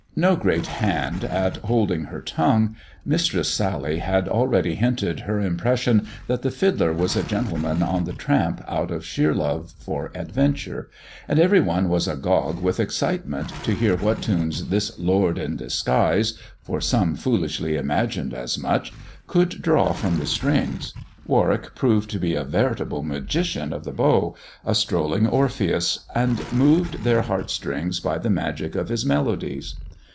No great hand at holding 12 THE dwarf's chamber her tongue, Mistress Sally had already hinted her imprei sion that the fiddler was a gentleman on the tramp out c sheer love for adventure ; and every one was agog wit excitement to hear what tunes this lord in disguise — fo some foolishly imagined as much — could draw from th strings. "Warwick proved to be a veritable magician of th bow, a strolling Orpheus, and moved their heartstrings b; the magic of his melodies.